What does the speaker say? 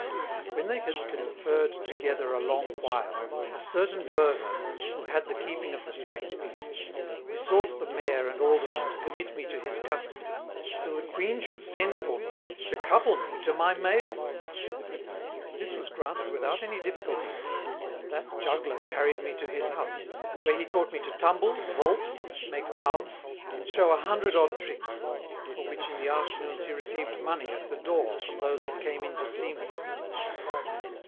When they had conferred together a long while, a certain Burgher, who had the keeping of the strange Beasts, besought the Mayor and Aldermen to commit me to his Custody, till the Queen should send for me to couple me to my Male. This was granted without any difficulty, and that Juggler carried me to his House; where he taught me to Tumble, Vault, make Mouths, and shew a Hundred odd Tricks, for which in the Afternoons he received Money at the door from those that came in to see me.